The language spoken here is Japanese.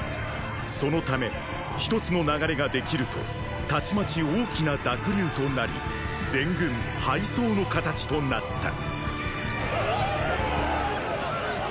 そのため一つの流れができるとたちまち大きな濁流となり全軍敗走の形となった。